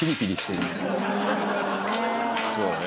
そうね。